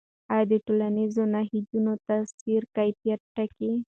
آیا د ټولنیزو نهادونو تاثیر کیفیت ټاکي؟